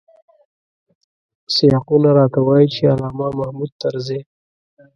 سیاقونه راته وايي چې علامه محمود طرزی.